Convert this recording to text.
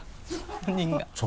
本人が。